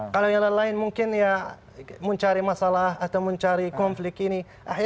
kalau yang lain lain mungkin ya mencari masalah atau mencari konflik ini